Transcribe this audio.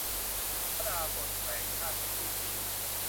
พระดาบศแปลงชาติเป็นฤๅษี